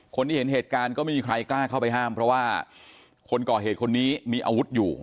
เห็นเหตุการณ์ก็ไม่มีใครกล้าเข้าไปห้ามเพราะว่าคนก่อเหตุคนนี้มีอาวุธอยู่